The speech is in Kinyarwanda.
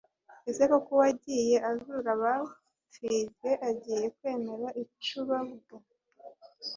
Ese koko uwagiye azura abapfirye agiye kwemera Icubambwa?